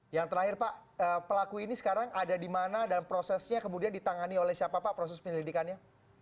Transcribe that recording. yang terakhir pak pelaku ini sekarang ada di mana dan prosesnya kemudian ditangani oleh siapa pak proses penyelidikannya